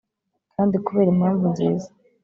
kandi kubera impamvu nziza